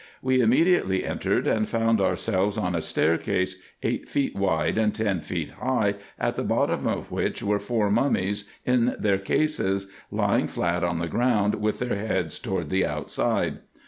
We immediately entered, and found ourselves on a staircase, eight feet wide and ten feet high, at the bottom of which were four mummies, in their cases, lying flat on the ground, with their heads toward the outside.